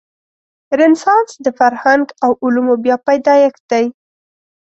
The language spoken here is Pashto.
رنسانس د فرهنګ او علومو بیا پیدایښت دی.